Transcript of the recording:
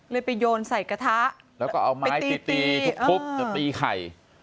ไปโยนใส่กระทะแล้วก็เอาไม้ตีตีทุบจะตีไข่